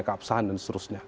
keabsahan dan seterusnya